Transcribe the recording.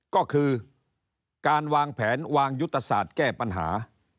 ก็คือการวางแผนวางยุทธศาสตร์แก้ปัญหา